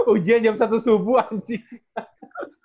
ujian jam satu subuh anjing